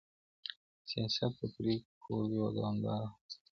سياست د پريکړو کولو يوه دوامداره هڅه ده.